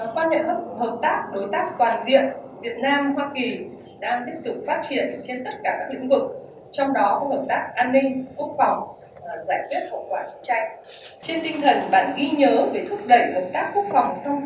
quan hệ hợp tác đối tác toàn diện việt nam hoa kỳ đang tiếp tục phát triển trên tất cả các lĩnh vực